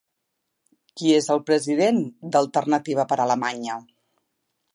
Qui és el president d'Alternativa per a Alemanya?